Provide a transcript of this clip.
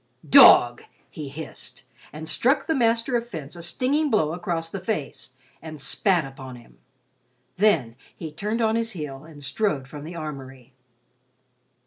"Dog!" he hissed, and struck the master of fence a stinging blow across the face, and spat upon him. Then he turned on his heel and strode from the armory.